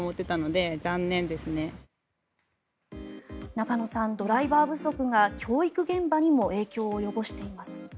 中野さん、ドライバー不足が教育現場にも影響を及ぼしています。